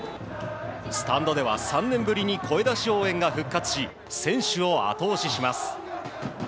スタンドでは３年ぶりに声出し応援が復活し選手を後押しします。